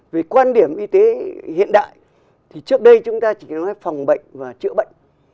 về quan điểm y tế hiện đại thì trước đây chúng ta chỉ nói phòng bệnh và chữa bệnh